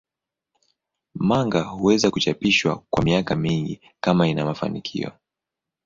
Manga huweza kuchapishwa kwa miaka mingi kama ina mafanikio.